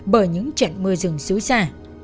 bởi những trận mưa rừng xúi xa